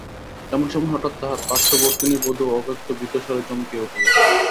এমন সময় হঠাৎ তাঁহার পার্শ্ববর্তিনী বধূ অব্যক্ত ভীত স্বরে চমকিয়া উঠিল।